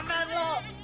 kamu mau pulang